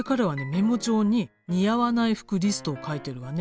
メモ帳に似合わない服リストを書いてるわね。